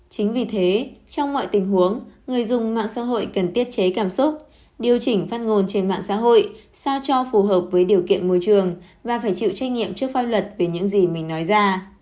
chính vì thế trong mọi tình huống người dùng mạng xã hội cần tiết chế cảm xúc điều chỉnh phát ngôn trên mạng xã hội sao cho phù hợp với điều kiện môi trường và phải chịu trách nhiệm trước pháp luật về những gì mình nói ra